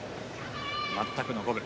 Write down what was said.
全くの五分。